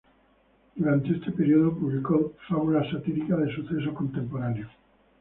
Durante este periodo publicó fábulas satíricas de sucesos contemporáneos.